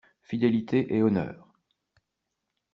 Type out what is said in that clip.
Fidélité et honneur